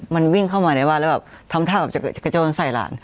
มันวิ่งเข้ามาในบ้านแล้วแบบทำท่าแบบจะกระโจนใส่หลาน